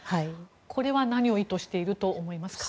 これは何を意図していると思いますか？